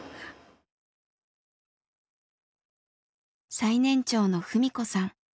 最年長の文子さん。